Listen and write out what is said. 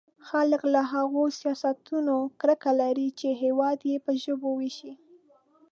خلک له هغو سیاستونو کرکه لري چې هېواد يې په ژبو وېشي.